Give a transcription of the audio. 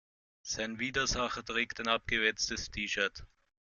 Sein Widersacher trägt ein abgewetztes T-shirt.